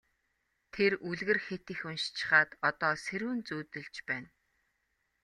Тэр үлгэр хэт их уншчихаад одоо сэрүүн зүүдэлж байна.